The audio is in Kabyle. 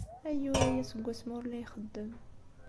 Ayyur aya seg wasmi ur la ixeddem.